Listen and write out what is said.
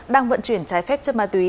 đang vận chuyển trái phép cho ma túy